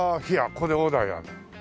ここでオーダーやるの。